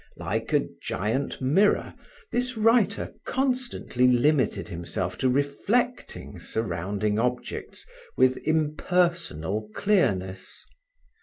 Like a giant mirror, this writer constantly limited himself to reflecting surrounding objects with impersonal clearness.